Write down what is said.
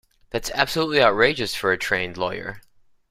That's absolutely outrageous for a trained lawyer.